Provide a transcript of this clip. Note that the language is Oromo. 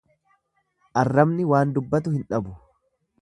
Arrabni waan dubbatu hin dhabu.